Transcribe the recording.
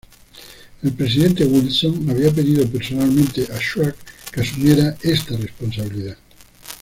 El presidente Wilson había pedido personalmente a Schwab que asumiera esta responsabilidad.